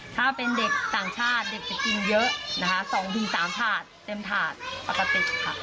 ถ้าเป็นเด็กต่างชาติเด็กจะกินเยอะนะคะ๒๓ถาดเต็มถาดปกติค่ะ